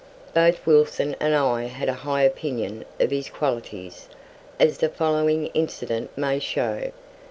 Both Wilson and I had a high opinion of his qualities, as the following incident may show.